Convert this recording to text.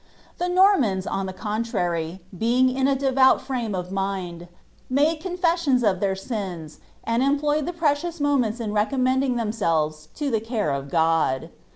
The Normans, on ihe contrary, being in a devout frame of mind, made confessions of their sins, and employed the precious moments in recommending thcmselvM to the care of God.